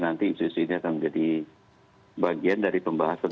nanti institusi ini akan jadi bagian dari pembahasan